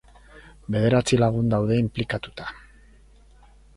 Bederatzi lagun daude inplikatuta.